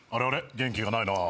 元気がないな。